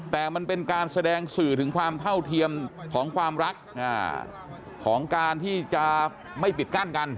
แต่มันเป็นการแสดงสื่อถึงความเท่าเทียมของความรักของการที่จะไม่ปิดกั้นกัน